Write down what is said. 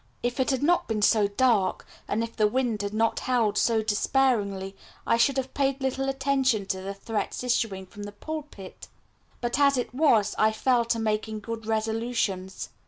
If it had not been so dark, and if the wind had not howled so despairingly, I should have paid little attention to the threats issuing from the pulpit; but, as it was, I fell to making good resolutions.